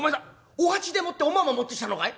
おはちでもっておまんま持ってきたのかい？